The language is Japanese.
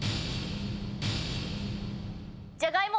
じゃがいも。